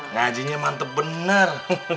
ngajinya mantep bener